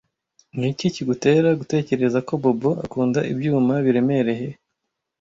Niki kigutera gutekereza ko Bobo akunda ibyuma biremereye?